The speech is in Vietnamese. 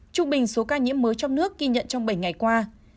trung bình số ca nhiễm mới trong nước ghi nhận trong bảy ngày qua